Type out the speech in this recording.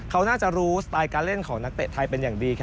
เขาน่าจะรู้สไตล์การเล่นของนักเตะไทยเป็นอย่างดี